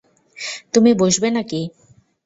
তুমি বসবে না নাকি?